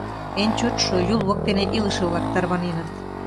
Эн чотшо Юл воктене илыше-влак тарваненыт.